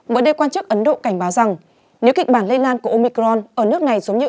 mới đây quan chức ấn độ cảnh báo rằng nếu kịch bản lây lan của omicron ở nước này giống như